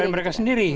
ada di mereka sendiri